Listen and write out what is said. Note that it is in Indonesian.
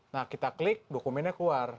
nah kita klik dokumennya keluar